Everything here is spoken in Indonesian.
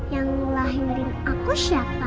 yang melahirin aku siapa